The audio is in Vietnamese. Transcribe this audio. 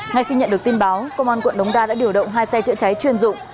ngay khi nhận được tin báo công an quận đống đa đã điều động hai xe chữa cháy chuyên dụng